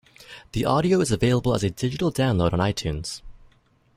The audio is available as a digital download on iTunes.